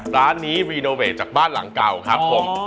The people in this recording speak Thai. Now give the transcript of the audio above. ร้านนี้รีโนเวทจากบ้านหลังเก่าครับผม